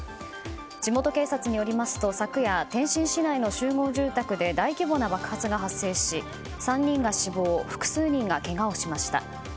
地元警察によりますと昨夜、天津市内の集合住宅で大規模な爆発が発生し３人が死亡複数人がけがをしました。